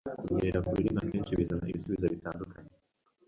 Kunyerera kururimi akenshi bizana ibisubizo bitunguranye.